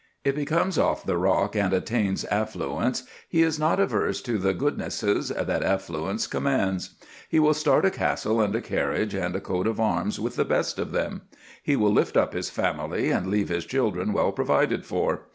If he comes off the rock and attains affluence, he is not averse to the goodnesses that affluence commands. He will start a castle and a carriage and a coat of arms with the best of them; he will lift up his family and leave his children well provided for.